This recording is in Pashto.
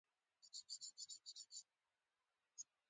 د بازار ناکامي د یو کنګل د څوکې په څېر ده.